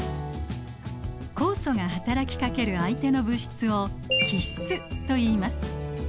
酵素がはたらきかける相手の物質を基質といいます。